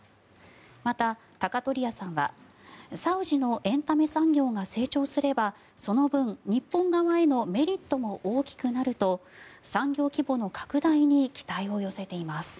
また、鷹鳥屋さんはサウジのエンタメ産業が成長すればその分、日本側へのメリットも大きくなると産業規模の拡大に期待を寄せています。